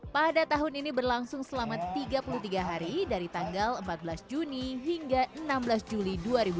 pada tahun ini berlangsung selama tiga puluh tiga hari dari tanggal empat belas juni hingga enam belas juli dua ribu dua puluh